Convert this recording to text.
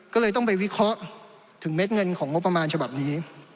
ก็เลยต้องไปวิเคราะห์ถึงเม็ดเงินของงบประมาณฉบับนี้